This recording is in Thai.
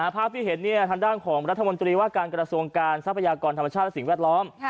ภาพที่เห็นทางด้านของรัฐมนตรีว่าการกระทรวงการทรัพยากรธรรมชาติและสิ่งแวดล้อม